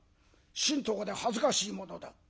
新刀で恥ずかしいものだ」。